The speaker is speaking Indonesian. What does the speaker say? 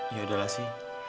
ya udahlah sissy